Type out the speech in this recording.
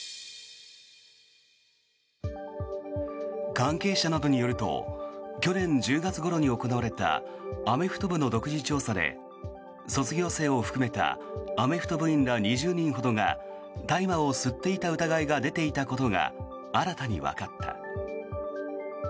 関係者などによると去年１０月ごろに行われたアメフト部の独自調査で卒業生を含めたアメフト部員ら２０人ほどが大麻を吸っていた疑いが出ていたことが新たにわかった。